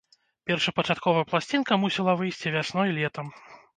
Першапачаткова пласцінка мусіла выйсці вясной-летам.